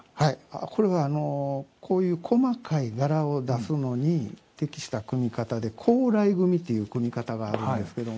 これはこういう細かい柄を出すのに適した組み方で高麗組ていう組み方があるんですけども。